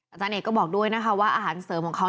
อาจารย์เอกก็บอกด้วยนะคะว่าอาหารเสริมของเขา